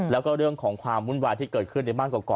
แล้วก็เรื่องของความวุ่นวายที่เกิดขึ้นในบ้านกรอก